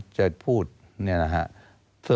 จะพูดเนี่ยนะฮะ